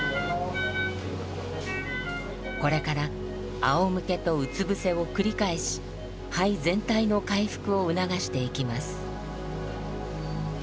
これからあおむけとうつ伏せを繰り返し肺全体の回復を促していきます。